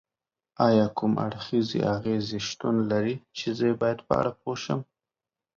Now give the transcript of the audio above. ایا کوم اړخیزې اغیزې شتون لري چې زه یې باید په اړه پوه شم؟